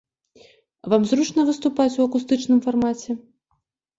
Вам зручна выступаць у акустычным фармаце?